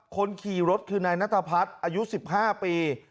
คนขี่รถคือนายนัทพัฒน์อายุ๑๕ปี